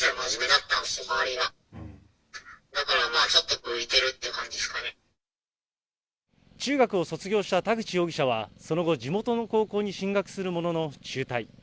だからちょっと浮いてるっていう中学を卒業した田口容疑者はその後、地元の高校に進学するものの、中退。